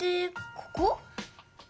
ここ？